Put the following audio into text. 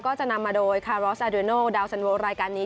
ก็จะนำมาโดยคารอสอาเดโนดาวสันโวรายการนี้